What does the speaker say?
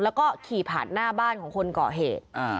แล้วก็ขี่ผ่านหน้าบ้านของคนก่อเหตุ